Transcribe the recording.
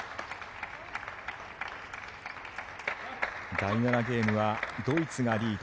第７ゲームはドイツがリード。